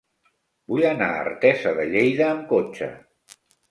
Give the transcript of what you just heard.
Vull anar a Artesa de Lleida amb cotxe.